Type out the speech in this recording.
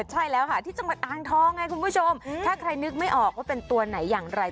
ใช่แล้วค่ะที่จังหวัดอ่างทองไงคุณผู้ชมถ้าใครนึกไม่ออกว่าเป็นตัวไหนอย่างไร